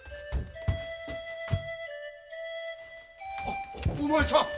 あっお前さん！